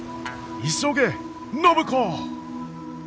急げ暢子！